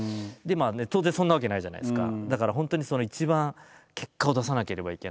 当然そんなわけないじゃないですか。